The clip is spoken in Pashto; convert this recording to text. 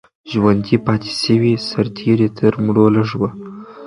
ژوندي پاتې سوي سرتیري تر مړو لږ وو.